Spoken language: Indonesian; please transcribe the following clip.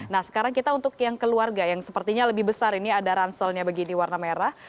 nah sekarang kita untuk yang keluarga yang sepertinya lebih besar ini ada ranselnya begini warna merah